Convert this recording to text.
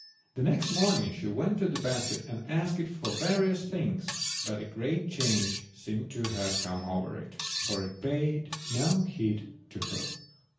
The next morning she went to the basket and asked it for various things, but a great change seemed to have come over it, for it paid no heed to her.